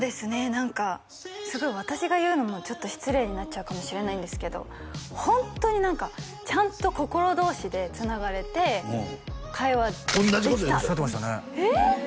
何かすごい私が言うのもちょっと失礼になっちゃうかもしれないんですけどホントに何かちゃんと心同士でつながれて会話同じこと言うてたおっしゃってましたねえっ！？